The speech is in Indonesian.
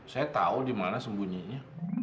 saya tahu di mana sembunyinya